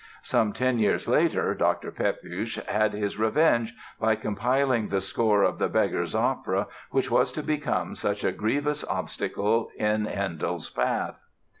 Some ten years later Dr. Pepusch had his revenge by compiling the score of the "Beggar's Opera" which was to become such a grievous obstacle in Handel's path.